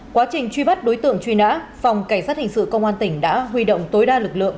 quá trình truy bắt đối tượng truy nã phòng cảnh sát hình sự công an tỉnh đã huy động tối đa lực lượng